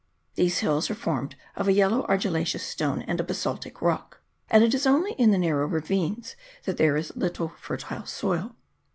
These hills are formed of a yellow argillaceous stone, and a basaltic rock, and it is only in the narrow ravines that there is a little fertile soil.